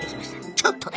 ちょっとね！